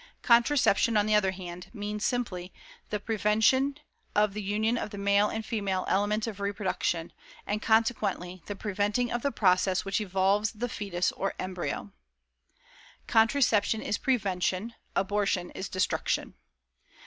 CONTRACEPTION, on the other hand, means simply the prevention of the union of the male and female elements of reproduction, and consequently, the preventing of the process which evolves the foetus or embryo. CONTRACEPTION IS PREVENTION; ABORTION IS DESTRUCTION.